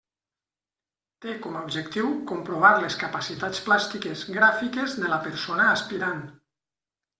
Té com a objectiu comprovar les capacitats plàstiques gràfiques de la persona aspirant.